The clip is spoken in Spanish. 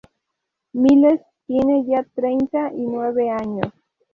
Miles tiene ya treinta y nueve años.